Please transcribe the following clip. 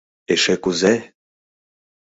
Эше кузе!..